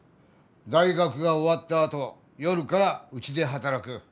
大学が終わったあと夜からうちで働く。